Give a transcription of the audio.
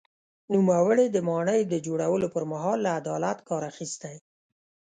نوموړي د ماڼۍ د جوړولو پر مهال له عدالت کار اخیستی.